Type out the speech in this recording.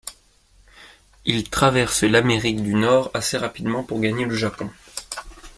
Il traverse l'Amérique du nord assez rapidement pour gagner le Japon.